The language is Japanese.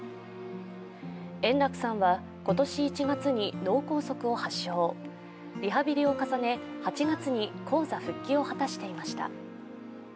円楽さんは今年１月に脳梗塞を発症リハビリを重ね、８月に高座復帰を果たしていました。